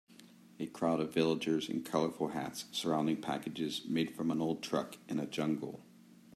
A crowd of villagers in colorful hats surrounding packages made from an old truck in a jungle.